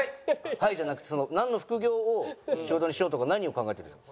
「はい」じゃなくてなんの副業を仕事にしようとか何を考えてるんですか？